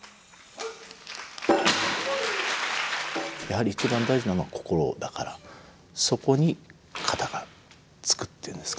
やはり一番大事なのは心だからそこに型がつくっていうんですかね。